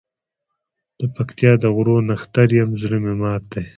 دپکتیا د غرو نښتر یم زړه مي مات دی